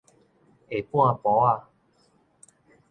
下半晡仔